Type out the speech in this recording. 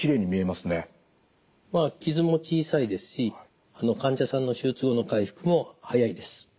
まあ傷も小さいですし患者さんの手術後の回復も早いです。